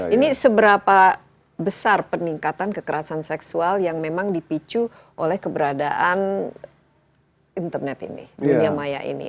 ini seberapa besar peningkatan kekerasan seksual yang memang dipicu oleh keberadaan internet ini dunia maya ini